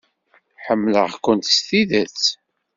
Ḥemmleɣ-kent s tidet.